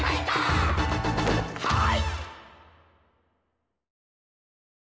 はい！